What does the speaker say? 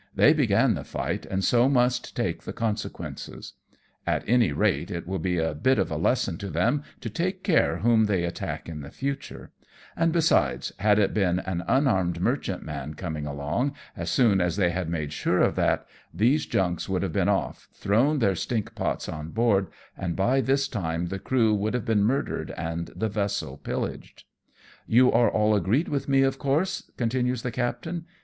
They began the fight and so must take the consequences. At any rate it will be a bit of a lesson to them to take care whom they attack in the future ; and besides, had it been an unarmed merchantman coming along, as soon as they had made sure of that, these junks would have been off, thrown their stinkpots on board, and by this time the crew would have been murdered and the vessel pillaged." "You are all agreed with me, of course ?" continues the captain.